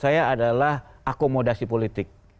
saya adalah akomodasi politik